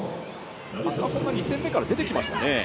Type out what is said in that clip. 赤穂が２戦目から出てきましたね。